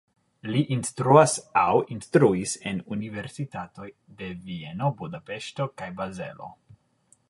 Li instruas aŭ instruis en universitatoj de Vieno, Budapeŝto kaj Bazelo.